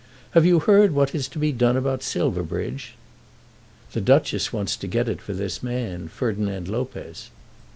Have you heard what is to be done about Silverbridge?" "The Duchess wants to get it for this man, Ferdinand Lopez."